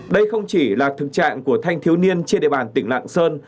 đây không chỉ là thực trạng của thanh thiếu niên trên địa bàn tỉnh lạng sơn